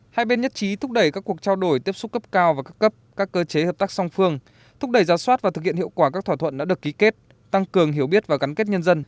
hai bên nhất trí thúc đẩy các cuộc trao đổi tiếp xúc cấp cao và cấp cấp các cơ chế hợp tác song phương thúc đẩy giáo soát và thực hiện hiệu quả các thỏa thuận đã được ký kết tăng cường hiểu biết và cắn kết nhân dân